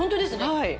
はい！